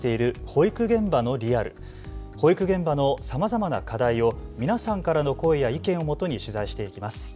保育現場のさまざまな課題を皆さんからの声や意見をもとに取材していきます。